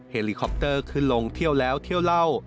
เฮลิคอปเตอร์ขึ้นลงเที่ยวแล้วเที่ยวเล่า